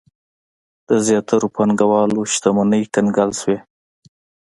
د زیاترو پانګوالو شتمنۍ کنګل شوې.